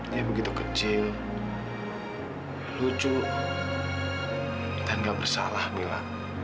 dia begitu kecil lucu dan enggak bersalah milla